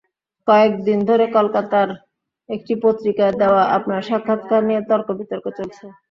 কয়েক দিন ধরে কলকাতার একটি পত্রিকায় দেওয়া আপনার সাক্ষাৎকার নিয়ে তর্ক-বিতর্ক চলছে।